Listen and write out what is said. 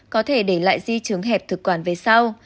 có thể để lại di trường hẹp thực quản về sau